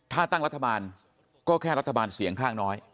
ถ้าตั้งรัฐบาลก็แค่รัฐบาลเสียงข้างน้อย